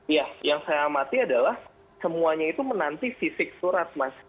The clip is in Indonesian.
ya yang saya amati adalah semuanya itu menanti fisik surat mas